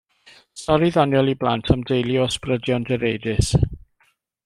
Stori ddoniol i blant am deulu o ysbrydion direidus.